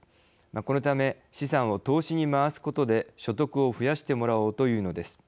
このため資産を投資に回すことで所得を増やしてもらおうというのです。